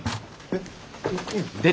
えっ。